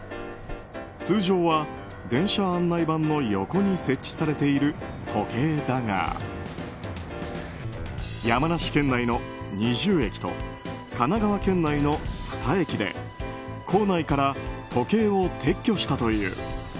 通常は電車案内板の横に設置されている時計だが山梨県内の２０駅と神奈川県内の２駅で構内から時計を撤去したという。